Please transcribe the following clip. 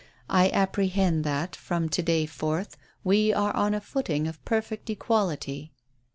I apprehend that, from to day forth, we are on a footing of perfect equality."